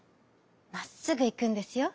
まっすぐいくんですよ」。